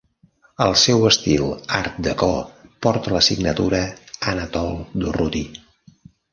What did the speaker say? El seu estil art deco porta la signatura Anatole Durruty.